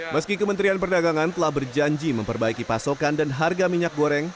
meski kementerian perdagangan telah berjanji memperbaiki pasokan dan harga minyak goreng